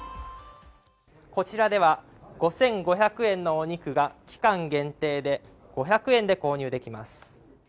こちらでは５５００円のお肉が期間限定で５００円で購入できます。